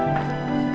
tuhan yang terbaik